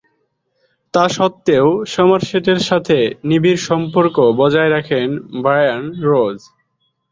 তাস্বত্ত্বেও সমারসেটের সাথে নিবিড় সম্পর্ক বজায় রাখেন ব্রায়ান রোজ।